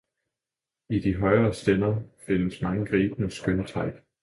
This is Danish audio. I de højere stænder findes mange gribende skønne træk.